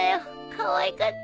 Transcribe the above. かわいかった。